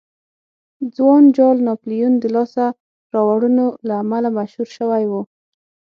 ځوان جال ناپلیون د لاسته راوړنو له امله مشهور شوی و.